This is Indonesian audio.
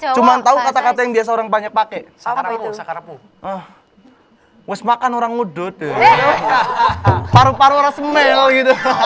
cuma tahu kata kata yang biasa orang banyak pakai